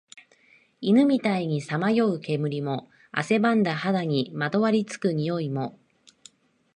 犬みたいにさまよう煙も、汗ばんだ肌にまとわり付く臭いも、